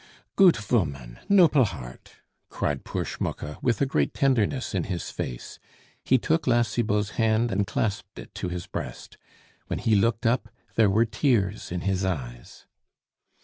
"Goot voman! nople heart!" cried poor Schmucke, with a great tenderness in his face. He took La Cibot's hand and clasped it to his breast. When he looked up, there were tears in his eyes.